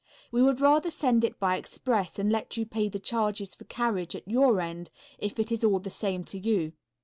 We would rather send it by express and let you pay the charges for carriage at your end, if it is all the same to you.